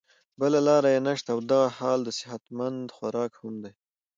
بله لار ئې نشته او دغه حال د صحت مند خوراک هم دے